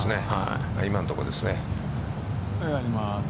今のところですね。